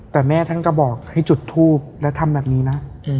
แต่แม่ท่านก็บอกให้จุดทูปและทำแบบนี้นะ